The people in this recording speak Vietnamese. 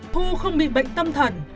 thu không bị bệnh tâm thần